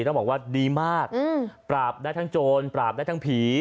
ต้องบอกว่าดีมากปราบได้ทั้งโจรปราบได้ทั้งผี